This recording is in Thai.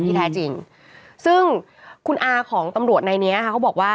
แท้จริงซึ่งคุณอาของตำรวจในเนี้ยค่ะเขาบอกว่า